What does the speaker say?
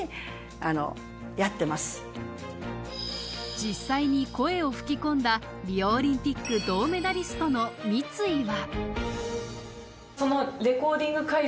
実際に声を吹き込んだリオオリンピック銅メダリストの三井は。